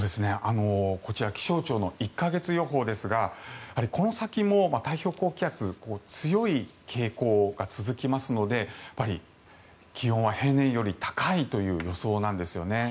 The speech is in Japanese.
こちら気象庁の１か月予報ですがこの先も太平洋高気圧強い傾向が続きますので気温は平年より高いという予想なんですよね。